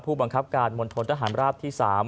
ผู้บังคับการมณฑนทหารราบที่๓